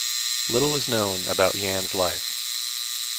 Little is known about Yan's life.